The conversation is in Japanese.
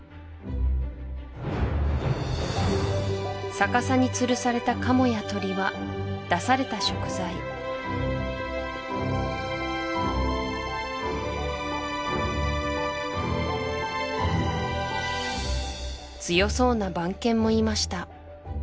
逆さに吊されたカモやトリは出された食材強そうな番犬もいました